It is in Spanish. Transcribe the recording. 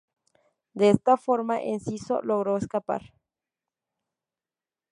De esta forma Enciso logró escapar.